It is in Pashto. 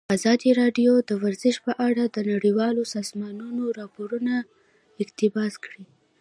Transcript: ازادي راډیو د ورزش په اړه د نړیوالو سازمانونو راپورونه اقتباس کړي.